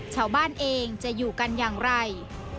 ชาวบ้านเองจะอยู่กันอย่างไร